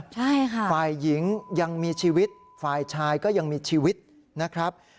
ใช่ค่ะฝ่ายหญิงยังมีชีวิตฝ่ายชายก็ยังมีชีวิตนะครับ